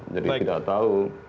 jadi tidak tahu